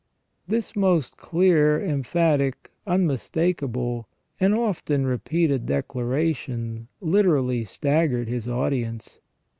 This most clear, emphatic, unmistakable, and often repeated declaration literally staggered His audience.